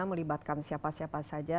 melibatkan siapa siapa saja